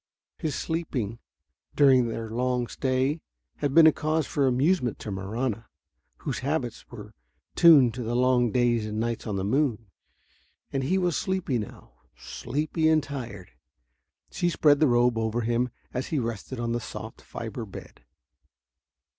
His sleeping, during their long stay, had been a cause for amusement to Marahna, whose habits were tuned to the long days and nights on the moon. And he was sleepy now, sleepy and tired. She spread the robe over him as he rested on the soft fiber bed.